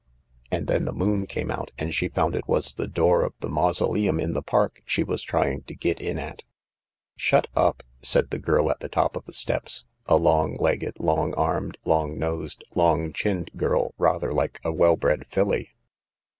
And then the moon came out, and she found it was the door of the mausoleum in the park she was trying to get in at." " Shut up !" said the girl on the top of the steps, a long legged, long armed, long nosed, long chinned girl rather like a well bred filly.